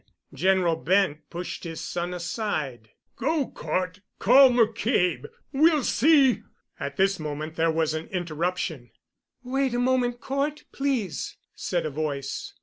General Bent pushed his son aside. "Go, Cort—call McCabe. We'll see——" At this moment there was an interruption. "Wait a moment, Cort, please," said a voice.